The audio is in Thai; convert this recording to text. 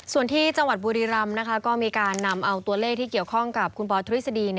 ส่วนที่จังหวัดบุรีรำก็มีการนำเอาตัวเลขที่เกี่ยวข้องกับคุณปอทฤษฎี